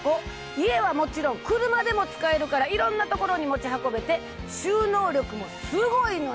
家はもちろん車でも使えるからいろんな所に持ち運べて収納力もすごいのよ。